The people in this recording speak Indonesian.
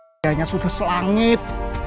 kayaknya sudah selangit